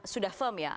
sudah firm ya